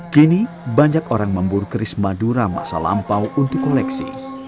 kini banyak orang memburu keris madura masa lampau untuk koleksi